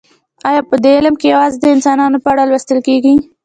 ایا په دې علم کې یوازې د انسانانو په اړه لوستل کیږي